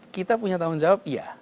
kita punya tanggung jawab iya